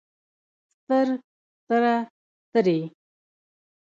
ستر ستره سترې